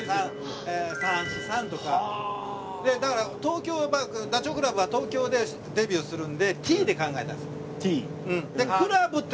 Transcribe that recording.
だから東京はダチョウ倶楽部は東京でデビューするので「Ｔ」で考えたんですよ。